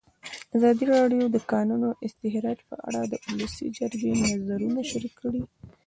ازادي راډیو د د کانونو استخراج په اړه د ولسي جرګې نظرونه شریک کړي.